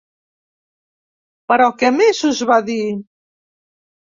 Però què més us va dir?